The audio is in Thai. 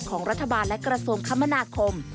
ของรัฐบาลและกระทรวงคมนาคม